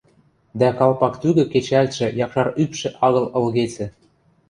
дӓ калпак тӱгӹ кечӓлтшӹ якшар ӱпшӹ агыл ылгецӹ